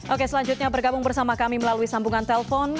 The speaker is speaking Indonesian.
oke selanjutnya bergabung bersama kami melalui sambungan telpon